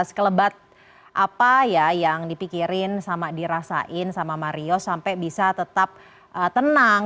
sekelebat apa ya yang dipikirin sama dirasain sama mario sampai bisa tetap tenang